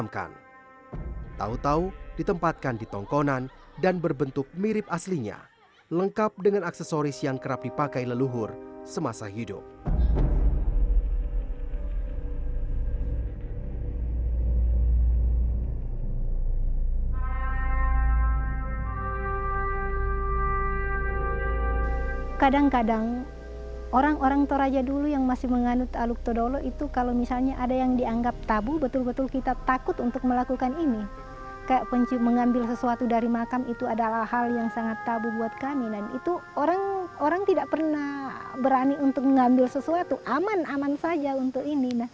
kalau kita berani untuk mengambil sesuatu aman aman saja untuk ini